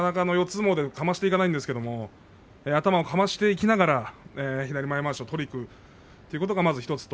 相撲でかましていかないんですけれども、頭をかましていきながら左前まわしを取りにいくということがまず１つ。